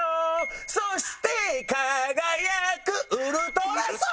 「そして輝くウルトラソウル」